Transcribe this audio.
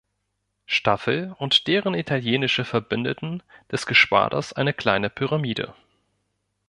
Staffel und deren italienische Verbündeten des Geschwaders eine kleine Pyramide.